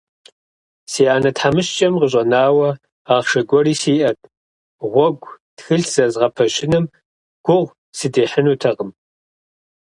Си анэ тхьэмыщкӀэм къыщӀэнауэ ахъшэ гуэри сиӀэт – гъуэгу тхылъ зэзгъэпэщыным гугъу сыдехьынутэкъым…